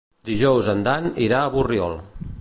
Dijous en Dan irà a Borriol.